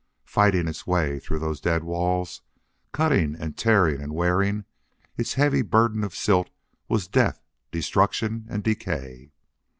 Fighting its way through those dead walls, cutting and tearing and wearing, its heavy burden of silt was death, destruction, and decay.